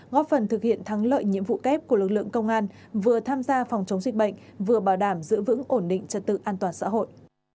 góp phần thực hiện thắng lợi nhiệm vụ kép của lực lượng công an vừa tham gia phòng chống dịch bệnh vừa bảo đảm giữ vững ổn định trật tự an toàn xã hội